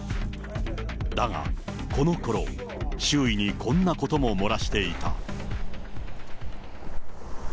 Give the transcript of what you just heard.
だが、このころ、周囲にこんなことも漏らしていた。